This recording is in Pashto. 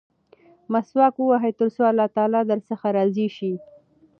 مسواک ووهئ ترڅو الله تعالی درڅخه راضي شي.